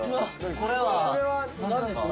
これはなんですか？